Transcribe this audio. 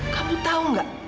kamu tahu nggak